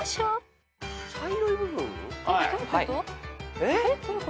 えっ？